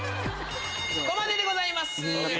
そこまででございます。